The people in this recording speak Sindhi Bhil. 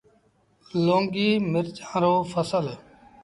لونگيٚ مرچآݩ رو ڦسل